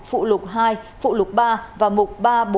phụ lục hai phụ lục ba và mục